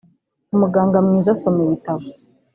umuganga mwiza asoma ibitabo